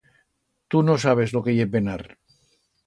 Tu no sabes lo que ye penar.